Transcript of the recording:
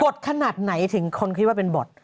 ขนาดไหนถึงคนคิดว่าเป็นบท